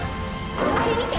あれみて！